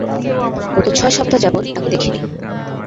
গত ছয় সপ্তাহ যাবৎ তাকে দেখিনি।